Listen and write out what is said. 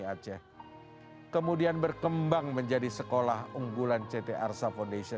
namun memiliki intelijensi tinggi bersekolah di sektolah menengah atas unggulan ctr sab foundation